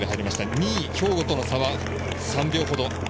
２位、兵庫との差は３秒ほど。